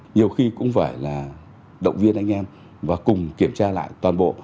nhiều khi cũng phải là động viên anh em và cùng kiểm tra lại toàn bộ